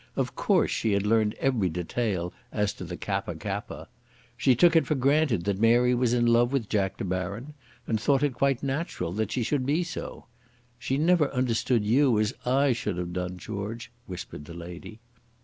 Of course she had learned every detail as to the Kappa kappa. She took it for granted that Mary was in love with Jack De Baron, and thought it quite natural that she should be so. "She never understood you as I should have done, George," whispered the lady.